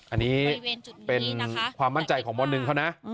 อันนี้เป็นความมั่นใจของมหนึ่งเขานะ